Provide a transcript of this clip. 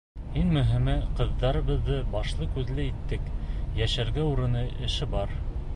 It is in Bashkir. Иң мөһиме, ҡыҙҙарыбыҙҙы башлы-күҙле иттек, йәшәргә урыны, эше бар.